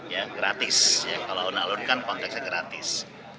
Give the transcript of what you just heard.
ya gratis ya kalau alun alun kan konteksnya gratis